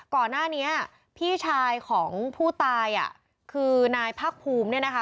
ก่อนหน้านี้พี่ชายของผู้ตายอ่ะคือนายพักภูมิเนี่ยนะคะ